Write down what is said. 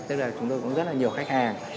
tức là chúng tôi cũng rất là nhiều khách hàng